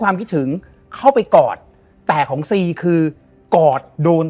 ได้มีอะไรล